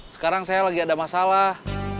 sekarang saya lagi ada masalah